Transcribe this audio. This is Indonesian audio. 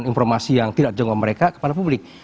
informasi yang tidak dijenguk mereka kepada publik